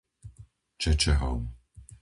Čečehov